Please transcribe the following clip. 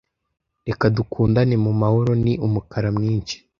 reka dukundane mumahoro ni umukara mwinshi